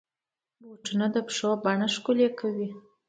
بوټونه د پښو بڼه ښکلي کوي.